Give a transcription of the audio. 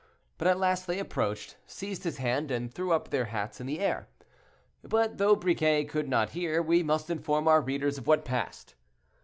But at last they approached, seized his hand, and threw up their hats in the air. But though Briquet could not hear, we must inform our readers of what passed.